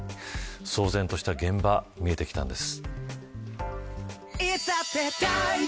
騒然とした現場見えてきたんです。